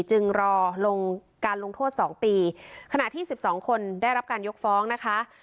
จึงรอลงการลงโทษ๒ปีขณะที่สิบสองคนได้รับการยกฟ้องนะคะ